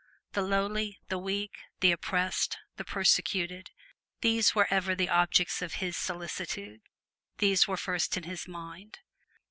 The lowly, the weak, the oppressed, the persecuted these were ever the objects of his solicitude these were first in his mind.